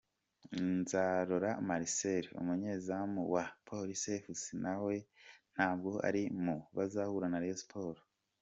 Nzarora Marcel umunyezamu wa Police Fc nawe ntabwo ari mu bazahura na Rayon Sports.